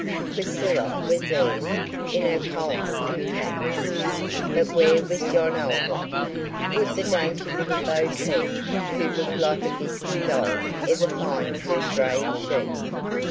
Priscilla was there, in her collar and cap, but where was John Alden? Would the dainty little Bo peep, who looked like a bisque doll, ever find her straying sheep?